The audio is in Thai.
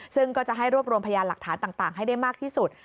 ซึ่งก็จะให้รวบรวมพยานหลักฐานต่างให้ได้มากที่สุด